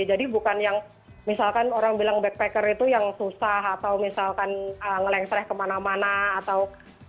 jadi bukan yang misalkan orang bilang backpacker itu yang susah atau misalkan ngelengsreh kemana mana atau